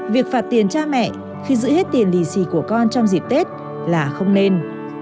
việc phạt tiền cha mẹ khi giữ hết tiền lì xì của con trong dịp tết là không nên